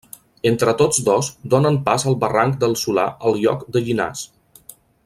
Entre tots dos donen pas al barranc del Solà al lloc de Llinars.